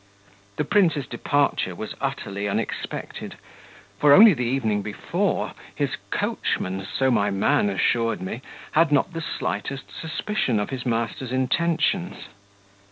The prince's departure was utterly unexpected, for only the evening before his coachman, so my man assured me, had not the slightest suspicion of his master's intentions.